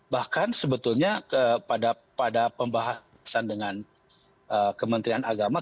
bahkan sebetulnya pada pembahasan dengan kementerian agama